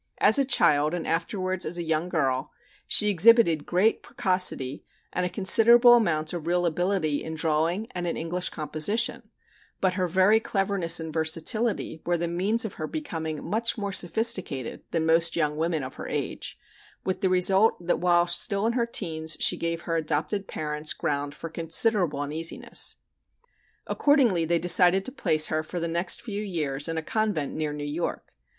As a child, and afterwards as a young girl, she exhibited great precocity and a considerable amount of real ability in drawing and in English composition, but her very cleverness and versatility were the means of her becoming much more sophisticated than most young women of her age, with the result that while still in her teens she gave her adopted parents ground for considerable uneasiness. Accordingly they decided to place her for the next few years in a convent near New York.